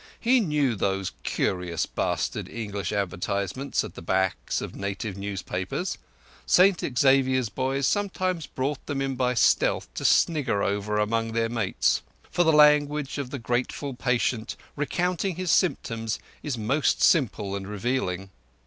He knew those curious bastard English advertisements at the backs of native newspapers. St Xavier's boys sometimes brought them in by stealth to snigger over among their mates; for the language of the grateful patient recounting his symptoms is most simple and revealing.